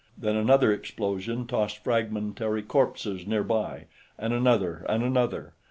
Then another explosion tossed fragmentary corpses nearby, and another and another.